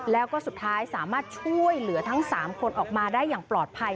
แล้วก็สุดท้ายสามารถช่วยเหลือทั้ง๓คนออกมาได้อย่างปลอดภัย